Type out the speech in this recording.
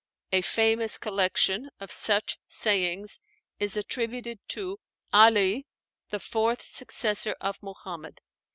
A famous collection of such sayings is attributed to 'Ali, the fourth successor of Muhammad.